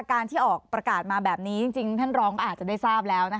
การที่ออกประกาศมาแบบนี้จริงท่านรองก็อาจจะได้ทราบแล้วนะคะ